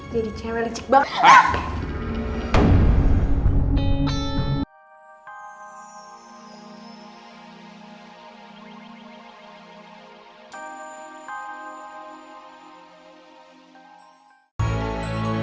jadi cewek licik banget